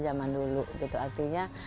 zaman dulu gitu artinya